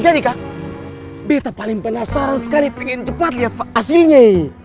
jadikah beta paling penasaran sekali pengen cepat lihat hasilnya